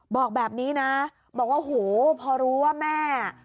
บอกแบบนี้นะบอกว่าโหพอรู้ว่าแม่